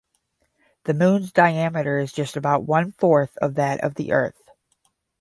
The moon's diameter is just about one-fourth that of the earth.